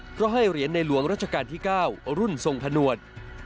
เพราะให้เหรียญในหลวงรัชกาลที่๙รุ่นทรงผนวด